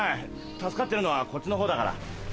助かってるのはこっちの方だから。